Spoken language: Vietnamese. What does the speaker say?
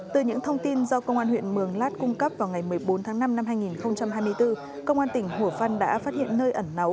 từ những thông tin do công an huyện mường lát cung cấp vào ngày một mươi bốn tháng năm năm hai nghìn hai mươi bốn công an tỉnh hồ văn đã phát hiện nơi ẩn náu